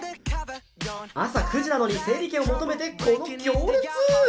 朝９時なのに整理券を求めて、この行列。